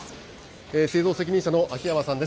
製造責任者の秋山さんです。